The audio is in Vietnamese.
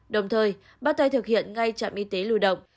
đồng thời bắt tay thực hiện ngay trạm y tế lưu động